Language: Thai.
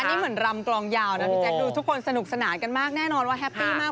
นี่เหมือนรำกลองยาวนะพี่แจ๊คดูทุกคนสนุกสนานกันมากแน่นอนว่าแฮปปี้มาก